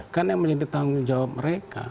karena yang menjadi tanggung jawab mereka